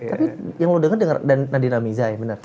tapi yang lo denger dan nadine amiza ya bener